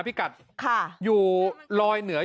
พี่กัดอยู่ลอยเหนือ